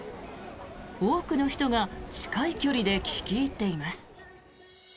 多くの人が近い距離で聴き入っています。